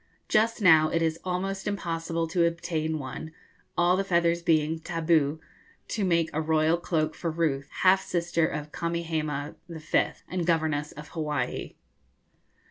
Just now it is almost impossible to obtain one, all the feathers being 'tabu,' to make a royal cloak for Ruth, half sister of Kamehameha V., and governess of Hawaii.